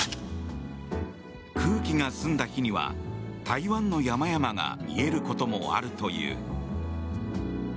空気が澄んだ日には台湾の山々が見えることもあるという。